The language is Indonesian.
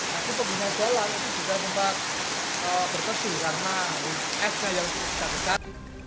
tapi pegunungan jalan juga minta berterus karena esnya yang besar besar